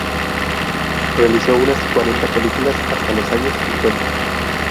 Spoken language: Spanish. Realizó unas cuarenta películas hasta los años cincuenta.